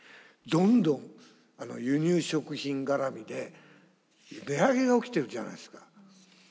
どんどん輸入食品絡みで値上げが起きてるじゃないですか。